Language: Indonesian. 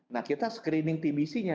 nah kita screening tb c nya